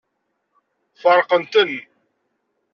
Feṛqen-ten.